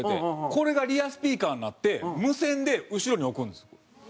これがリアスピーカーになって無線で後ろに置くんですよ。